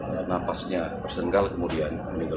nah napasnya bersenggal kemudian